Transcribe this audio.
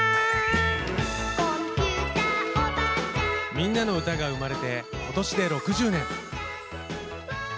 「みんなのうた」が生まれて今年で６０年。